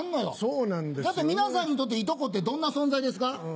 だって皆さんにとっていとこってどんな存在ですか？